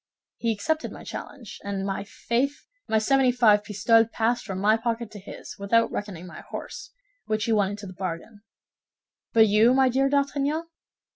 He accepted my challenge, and, my faith, my seventy five pistoles passed from my pocket to his, without reckoning my horse, which he won into the bargain. But you, my dear D'Artagnan?"